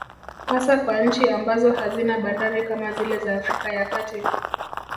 Hasa kwa nchi ambazo hazina bandari kama zile za Afrika ya kati